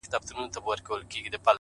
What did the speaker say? خو نن د زړه له تله ـ